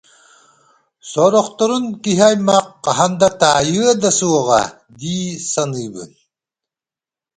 Сорохторун киһи аймах хаһан да таайыа да суоҕа дии саныыбын